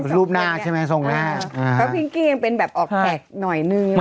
หรูปหน้าใช่ไม่ก็พลิ๊งกี้ยังเป็นแบบออกแกะหน่อยนึง